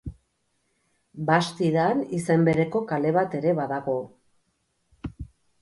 Bastidan izen bereko kale bat ere badago.